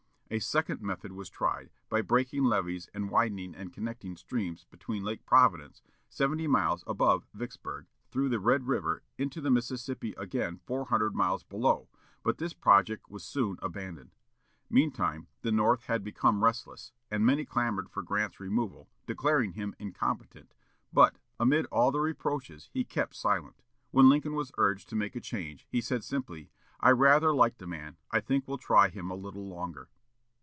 A second method was tried, by breaking levees and widening and connecting streams between Lake Providence, seventy miles above Vicksburg, through the Red River, into the Mississippi again four hundred miles below, but this project was soon abandoned. Meantime, the North had become restless, and many clamored for Grant's removal, declaring him incompetent, but, amid all the reproaches, he kept silent. When Lincoln was urged to make a change, he said simply, "I rather like the man; I think we'll try him a little longer!"